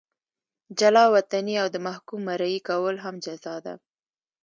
جلا وطني او د محکوم مریي کول هم جزا ده.